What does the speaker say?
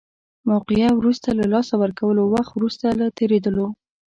موقعه وروسته له لاسه ورکولو، وخت وروسته له تېرېدلو.